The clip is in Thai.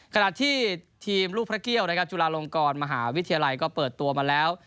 ขณะที่ทีมลูกพระเกี่ยวนะครับจุฬาลงกรมหาวิทยาลัยก็เปิดตัวมาแล้ว